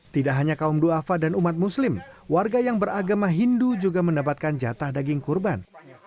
tidak hanya kaum duafa dan umat muslim warga yang beragama hindu juga menempatkan jatah daging kurban